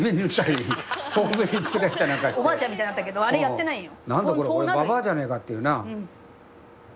おばあちゃんみたいだったけどあれやってないんよ